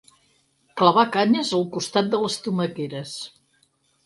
Clavar canyes al costat de les tomaqueres.